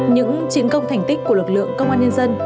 những chiến công thành tích của lực lượng công an nhân dân